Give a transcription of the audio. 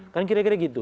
kan kira kira gitu